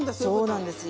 そうなんですよ。